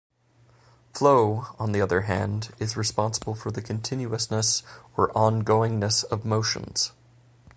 Flow, on the other hand, is responsible for the continuousness or ongoingness of motions.